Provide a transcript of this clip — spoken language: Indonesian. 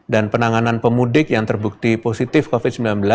dan penanganan pemudik yang terbukti positif covid sembilan belas